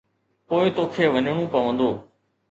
پوءِ توکي وڃڻو پوندو.